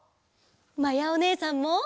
まやおねえさんも！